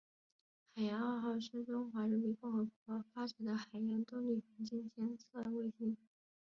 海洋二号是中华人民共和国发展的海洋动力环境监测卫星。